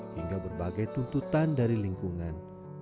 hingga berbagai tuntutan dari lingkungan